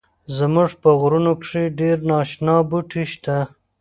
زمونږ په غرونو کښی ډیر ناشنا بوټی شته